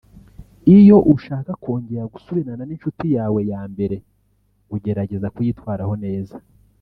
Iyo ushaka kongera gusubirana n’inshuti yawe yambere ugerageza kuyitwaraho neza